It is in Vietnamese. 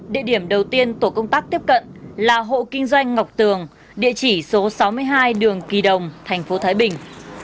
địa điểm đầu tiên tổ công tác tiếp cận là hộ kinh doanh ngọc tường địa chỉ số sáu mươi hai đường kỳ đồng thành phố thái bình